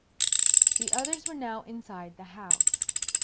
The others were now inside the house.